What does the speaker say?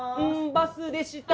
バスでした。